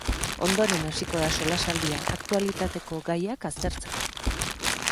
Ondoren hasiko da solasaldia, aktualitateko gaiak aztertzeko.